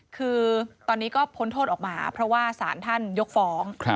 คือตอนนี้ก็พ้นโทษออกมาเพราะว่าสารท่านยกฟ้อง